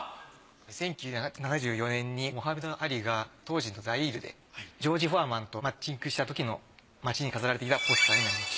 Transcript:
１９７４年にモハメド・アリが当時のザイールでジョージ・フォアマンとマッチングしたときの街に飾られていたポスターになります。